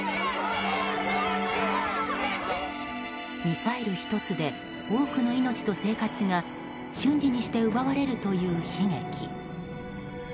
ミサイル１つで多くの命と生活が瞬時にして奪われるという悲劇。